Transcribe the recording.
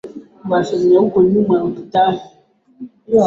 matumizi ya neno utegemezi wa dawa yanayojumuisha awamu